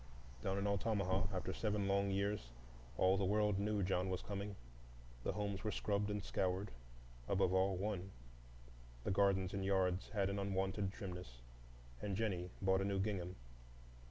Down in Altamaha, after seven long years, all the world knew John was coming. The homes were scrubbed and scoured,—above all, one; the gardens and yards had an unwonted trimness, and Jennie bought a new gingham.